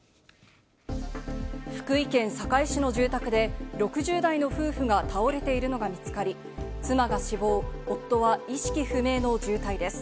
福井県坂井市の住宅で６０代の夫婦が倒れているのが見つかり、妻が死亡、夫は意識不明の重体です。